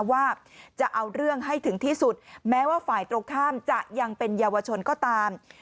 ว่าจะเอาเรื่องให้ถึงที่สุดแม้ว่าฝ่ายตรงข้ามจะยังเป็นเยาวชนก็ตาม